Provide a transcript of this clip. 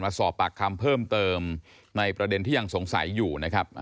สอบปากคำเพิ่มเติมในประเด็นที่ยังสงสัยอยู่นะครับ